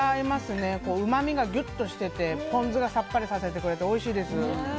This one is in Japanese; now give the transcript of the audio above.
うま味がギュッとしていて、ポン酢がさっぱりさせてくれておいしいです。